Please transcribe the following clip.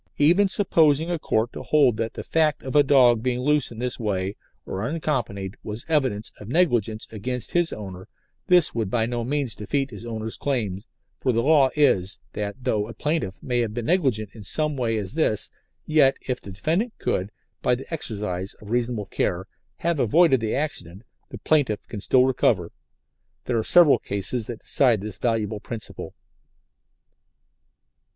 Even supposing a Court to hold that the fact of a dog being loose in this way or unaccompanied was evidence of negligence against his owner this would by no means defeat his owner's claim, for the law is, that though a plaintiff may have been negligent in some such way as this, yet if the defendant could, by the exercise of reasonable care, have avoided the accident, the plaintiff can still recover. There are several cases that decide this valuable principle.